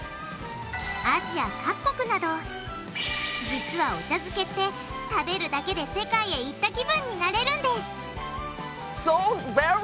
実はお茶漬けって食べるだけで世界へ行った気分になれるんです！